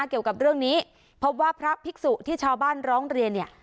เกี่ยวกับเรื่องนี้พบว่าพระภิกษุที่ชาวบ้านร้องเรียนเนี่ย